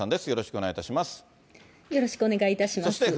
よろしくお願いします。